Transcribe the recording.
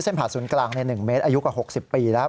เส้นผาสุนกลางใน๑เมตรอายุกว่า๖๐ปีละ